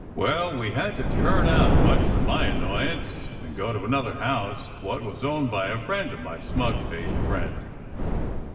So we had to turn out, much to my annoyance, and go to another house wot was owned by a friend of my smug faced friend.